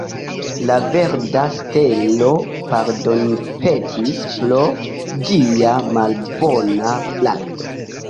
La verda stelo pardonpetis pro ĝia malbona frato.